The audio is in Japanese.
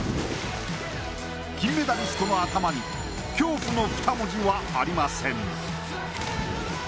金メダリストの頭に「恐怖」の２文字はありません。